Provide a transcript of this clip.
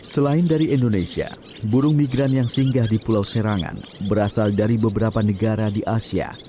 selain dari indonesia burung migran yang singgah di pulau serangan berasal dari beberapa negara di asia